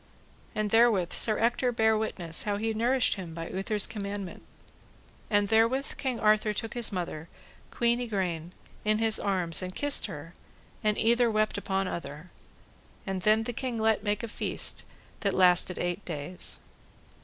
And therewith Sir Ector bare witness how he nourished him by Uther's commandment. And therewith King Arthur took his mother, Queen Igraine, in his arms and kissed her, and either wept upon other. And then the king let make a feast that lasted eight days.